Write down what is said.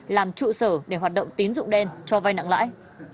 làm trụ sở để hoạt động tín dụng đen cho vai nặng lãi